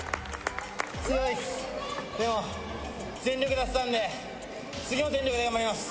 強いっすでも全力出せたんで次も全力で頑張ります